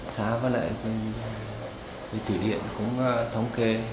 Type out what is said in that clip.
xá với lại cái thủy điện cũng thống kê